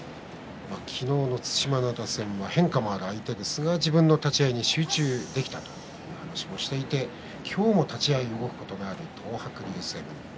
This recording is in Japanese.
昨日の對馬洋戦は変化のある相手ですが自分の立ち合いに集中できたという話をしていて今日も立ち合いで動くことがある東白龍戦。